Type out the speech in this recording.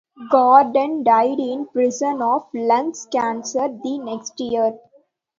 Gordon died in prison of lung cancer the next year.